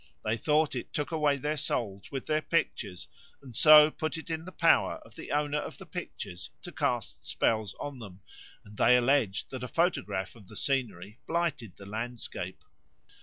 They thought it took away their souls with their pictures, and so put it in the power of the owner of the pictures to cast spells on them, and they alleged that a photograph of the scenery blighted the landscape.